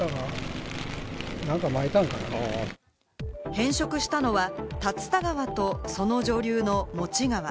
変色したのは竜田川とその上流のモチ川。